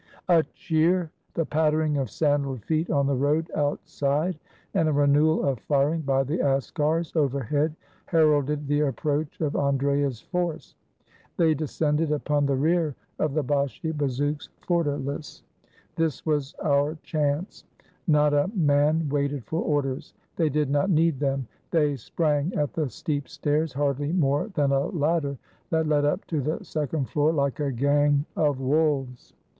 A cheer, the pattering of sandaled feet on the road out side, and a renewal of firing by the askars overhead, her alded the approach of Andrea's force. They descended upon the rear of the Bashi bazouks' fortalice. This was our chance. Not a man waited for orders. They did not need them. They sprang at the steep stairs, hardly more than a ladder, that led up to the second floor, like a gang of wolves.